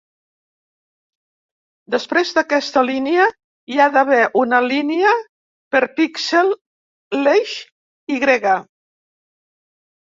Després d'aquesta línia hi ha d'haver una línia per píxel l'eix Y.